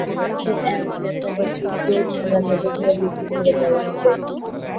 তাকে অ্যাল জাপানের টোকিওর খেলনা জাদুঘরে বিক্রি করে দেওয়া হবে।